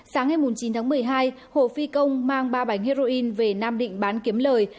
sáng ngày chín tháng một mươi hai hồ phi công mang ba bánh heroin về nam định bán kiếm lời